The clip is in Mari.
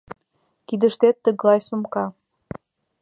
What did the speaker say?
— Кидыштет тыглай сумка.